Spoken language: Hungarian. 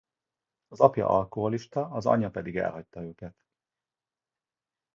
Az apja alkoholista, az anyja pedig elhagyta őket.